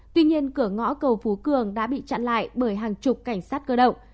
tuy nhiên cửa ngõ cầu phú cường đã bị chặn lại bởi hàng chục cảnh sát cơ động